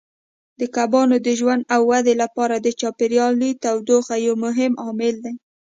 د کبانو د ژوند او ودې لپاره د چاپیریال تودوخه یو مهم عامل دی.